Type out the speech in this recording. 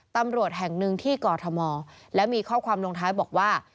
ตำรวจแห่งหนึ่งที่กอทมและมีข้อความลงท้ายบอกว่า